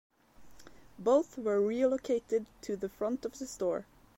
Both were relocated to the front of the store.